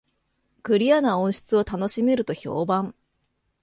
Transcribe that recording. クリアな音質を楽しめると評判